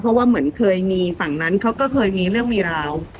เพราะว่าเหมือนเคยมีฝั่งนั้นเขาก็เคยมีเรื่องมีราว